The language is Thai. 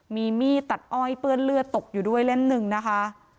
มีมีดตัดอ้อยเปื้อนเลือดตกอยู่ด้วยเล่มหนึ่งนะคะ